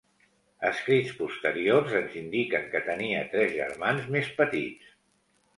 Escrits posteriors ens indiquen que tenia tres germans més petits: